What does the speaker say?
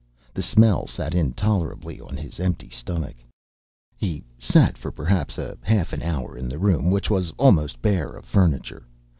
The smell sat intolerably on his empty stomach. He sat for perhaps a half hour in the room, which was almost bare of furniture.